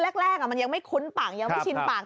แรกมันยังไม่คุ้นปากยังไม่ชินปาก